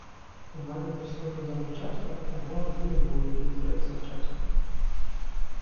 У мене прислуги в домі четверо, а в мого діда було її тридцять четверо.